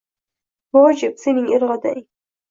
Vojib — sening irodang.